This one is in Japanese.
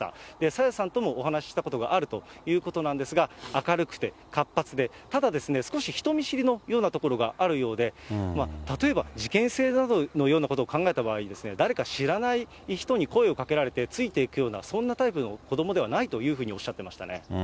朝芽さんともお話したことがあるということなんですが、明るくて活発で、ただ、少し人見知りのようなところがあるようでして、例えば事件性などのようなことを考えた場合に、誰か知らない人に声をかけられて、ついていくようなそんなタイプの子どもではないというふうにおっしゃっていましたね。